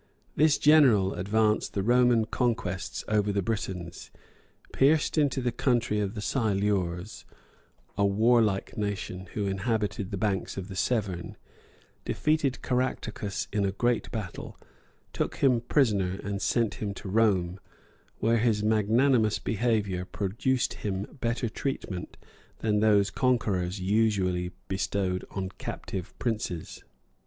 [A. D. 50.] This general advanced the Roman conquests over the Britons; pierced into the country of the Silures, a warlike nation, who inhabited the banks of the Severn; defeated Caractacus in a great battle; took him prisoner, and sent him to Rome, where his magnanimous behavior procured him better treatment than those conquerors usually bestowed on captive princes.